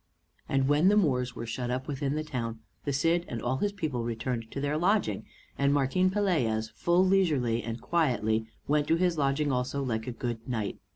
And when the Moors were shut up within the town, the Cid and all his people returned to their lodging, and Martin Pelaez full leisurely and quietly went to his lodging also, like a good knight.